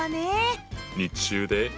日中で。